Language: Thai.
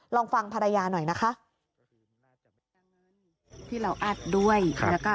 ลองฟังภรรยาหน่อยนะคะ